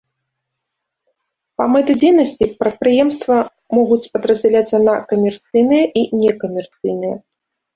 Па мэты дзейнасці прадпрыемства могуць падраздзяляцца на камерцыйныя і некамерцыйныя.